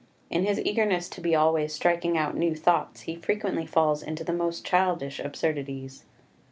In his eagerness to be always striking out new thoughts he frequently falls into the most childish absurdities.